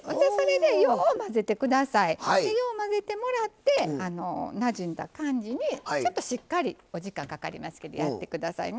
でよう混ぜてもらってなじんだ感じにちょっとしっかりお時間かかりますけどやってくださいね。